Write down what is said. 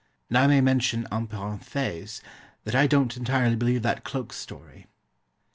And I may mention en parenthèse, that I don't entirely believe that cloak story.